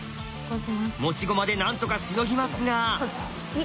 持ち駒でなんとかしのぎますが。